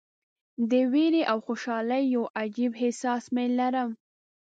د ویرې او خوشالۍ یو عجیب احساس مې لرم.